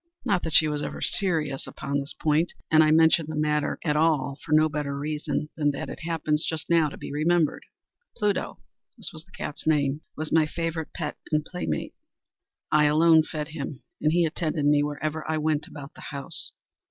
Not that she was ever serious upon this point—and I mention the matter at all for no better reason than that it happens, just now, to be remembered. Pluto—this was the cat's name—was my favorite pet and playmate. I alone fed him, and he attended me wherever I went about the house.